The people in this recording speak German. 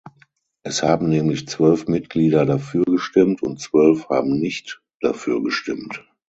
Es haben nämlich zwölf Mitglieder dafür gestimmt, und zwölf haben nicht dafür gestimmt.